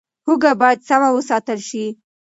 هوږه باید سم وساتل شي.